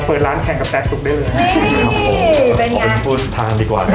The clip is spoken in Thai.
เปิดร้านแข่งกับแป๊กสุปได้เลยนี่ครับผมเป็นยังไงถ้านดีกว่านะ